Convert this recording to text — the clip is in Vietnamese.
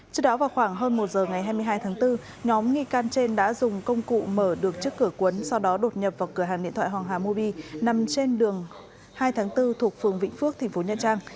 trước đó vào khoảng hơn một giờ ngày hai mươi hai tháng bốn nhóm nghi can trên đã dùng công cụ mở được trước cửa cuốn sau đó đột nhập vào cửa hàng điện thoại hoàng hà mobi nằm trên đường hai tháng bốn thuộc phường vĩnh phước tp nha trang